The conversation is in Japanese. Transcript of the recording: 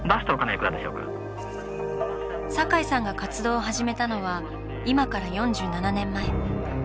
堺さんが活動を始めたのは今から４７年前。